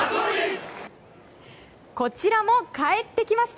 こちらも、帰ってきました。